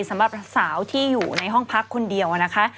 สำหรับสาวที่อยู่ในห้องพักคนเดียวนะคะ